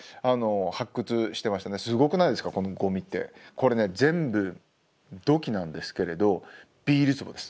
これね全部土器なんですけれどビール壺です